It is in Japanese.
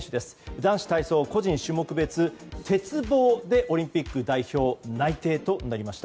男子体操個人種目別の鉄棒でオリンピック代表内定となりました。